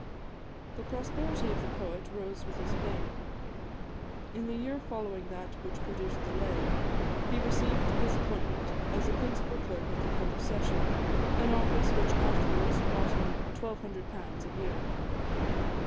The prosperity of the poet rose with his fame. In the year following that which produced the "Lay," he received his appointment as a principal clerk of the Court of Session, an office which afterwards brought him £1200 a year.